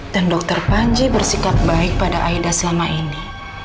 dan dokter panji bersikap baik pada aida selama ini